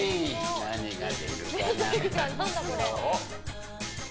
何が出るかな。